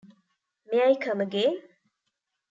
May I come again?